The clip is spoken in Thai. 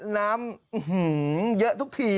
น้ำเยอะทุกที